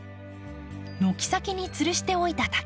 軒先につるしておいた竹。